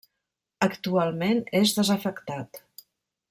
Actualment és desafectat.